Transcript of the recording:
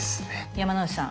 山之内さん